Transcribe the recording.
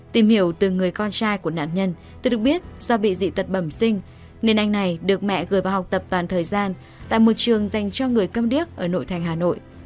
tìm hiểu từ người con trai của nạn nhân từ được biết do bị dị tật bẩm sinh nên anh này được mẹ gửi vào học tập toàn thời gian tại một trường dành cho người cầm điếc ở nội thành hà nội